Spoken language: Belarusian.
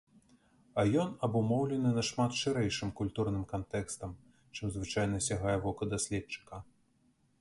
А ён абумоўлены нашмат шырэйшым культурным кантэкстам, чым звычайна сягае вока даследчыка.